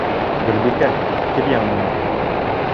Гөлбикә, кил яныма.